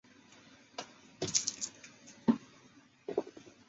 陶努斯山区柯尼希施泰因是德国黑森州霍赫陶努斯县的一个市镇。